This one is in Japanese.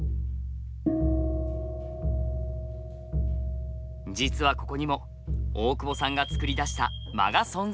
実はここにも大久保さんが作り出した間が存在していたんです。